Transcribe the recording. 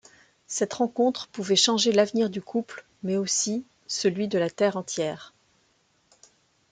Cette rencontre pourrait changer l'avenir du couple mais aussi celui de la Terre entière.